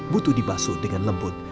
butuh dibasu dengan lembut